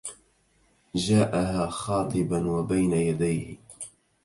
جاءها خاطبا وبين يديه